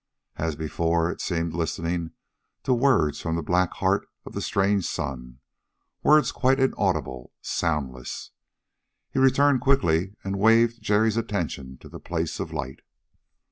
As before, it seemed listening to words from the black heart of the strange sun, words quite inaudible soundless. He returned quickly and waved Jerry's attention to the place of light.